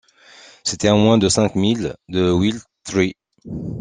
C’était à moins de cinq milles de Will-Tree.